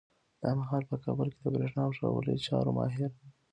دا مهال په کابل کي د برېښنا او ښاروالۍ چارو ماهر